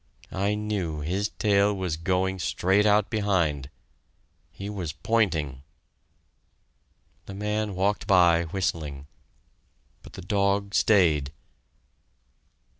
I knew his tail was going straight out behind he was pointing! The man walked by, whistling but the dog stayed!